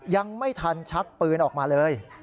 ยังไม่ทันชักปืนออกมาเลย